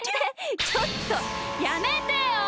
ちょっとやめてよ！